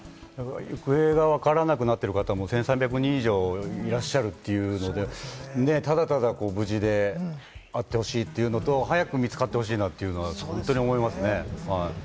行方がわからなくなっている方、もう１３００人以上いらっしゃるというので、ただただ無事であってほしいというのと、早く見つかってほしいなと本当に思いますね。